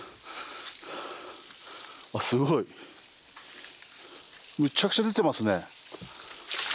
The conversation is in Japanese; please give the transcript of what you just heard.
すごい！むちゃくちゃ出てますね。